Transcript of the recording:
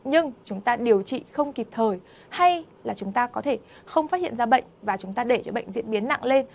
nhưng chúng ta điều trị không kịp thời hay là chúng ta có thể không phát hiện ra bệnh và chúng ta để cho bệnh diễn biến nặng lên